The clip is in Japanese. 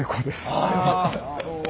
あよかった。